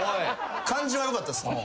感じは良かったっすか？